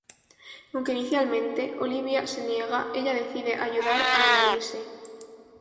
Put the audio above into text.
Aunque inicialmente, Olivia se niega, ella decide ayudar a Annalise.